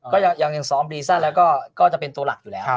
ก็ยังซ้อมบรีซันแล้วก็จะเป็นตัวหลักอยู่แล้ว